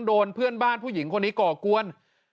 โดนเพื่อนบ้านผู้หญิงคนนี้ก่อกวน